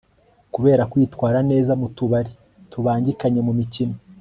kubera kwitwara neza mu tubari tubangikanye mu mikino